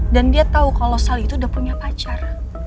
dan dia tau kalau sal itu udah punya pacar